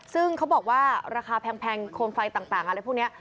ซึ่งเขาบอกว่าราคาแพงโคมไฟต่างอะไรพวกนี้